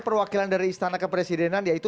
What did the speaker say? perwakilan dari istana kepresidenan yaitu